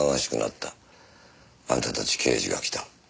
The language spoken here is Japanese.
あんたたち刑事が来た。